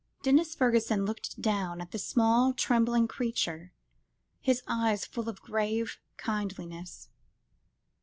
Denis Fergusson looked down at the small trembling creature, his eyes full of grave kindliness.